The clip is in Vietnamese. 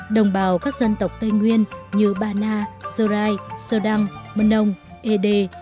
đồng bào các dân tộc tây nguyên như bana zorai sodang mnong ede